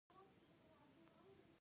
زما منی.